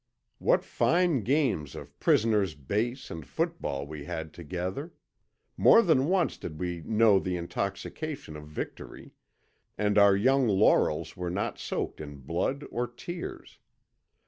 What fine games of prisoners' base and football we had together! More than once did we know the intoxication of victory, and our young laurels were not soaked in blood or tears.